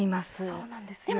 そうなんですよ。